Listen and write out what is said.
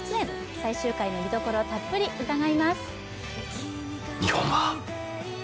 最終回の見どころをたっぷり伺います。